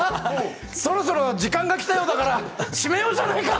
そろそろ時間がきたようだから締めようじゃないか！